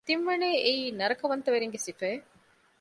ތިންވަނައީ އެއީ ނަރަކަވަންތަވެރިންގެ ސިފައެއް